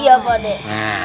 iya pak dek